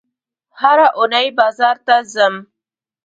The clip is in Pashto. هره اونۍ بازار ته ځم